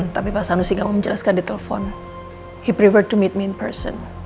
tapi pak sanusi nggak mau menjelaskan di telpon